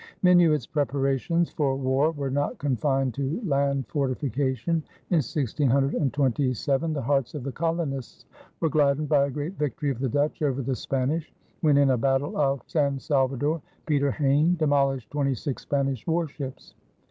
Minuit's preparations for war were not confined to land fortification. In 1627 the hearts of the colonists were gladdened by a great victory of the Dutch over the Spanish, when, in a battle off San Salvador, Peter Heyn demolished twenty six Spanish warships.